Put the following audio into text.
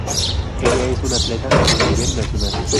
Ella es una atleta de nivel nacional.